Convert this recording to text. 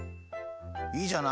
いいじゃない？